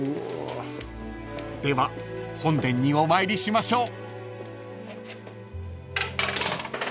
［では本殿にお参りしましょう］